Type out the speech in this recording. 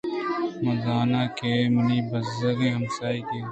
من زان آن ئِے کہ آ منی بزگیں ھمساھِگے۔